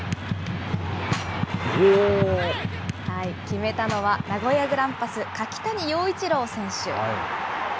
決めたのは、名古屋グランパス、柿谷曜一朗選手。